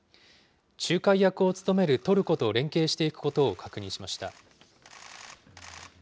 仲介役を務めるトルコと連携していくことを確認しました。